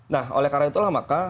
nah oleh karena itulah maka